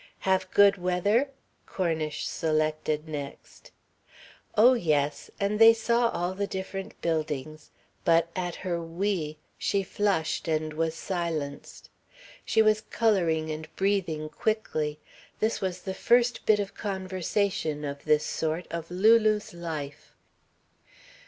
"Have good weather?" Cornish selected next. Oh, yes. And they saw all the different buildings but at her "we" she flushed and was silenced. She was colouring and breathing quickly. This was the first bit of conversation of this sort of Lulu's life.